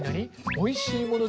おいしいもの